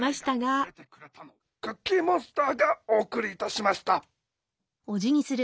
クッキーモンスターがお送りいたしました。